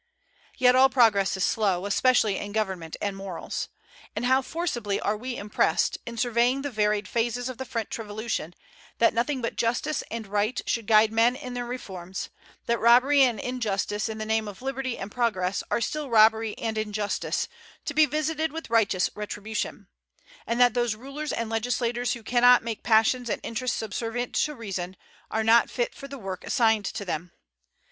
Yet all progress is slow, especially in government and morals. And how forcibly are we impressed, in surveying the varied phases of the French Revolution, that nothing but justice and right should guide men in their reforms; that robbery and injustice in the name of liberty and progress are still robbery and injustice, to be visited with righteous retribution; and that those rulers and legislators who cannot make passions and interests subservient to reason, are not fit for the work assigned to them.